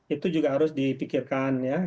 itu juga harus dipikirkan ya